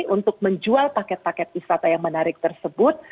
untuk menjual paket paket wisata yang menarik tersebut